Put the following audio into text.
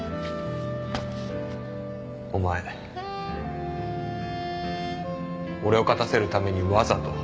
お前俺を勝たせるためにわざと。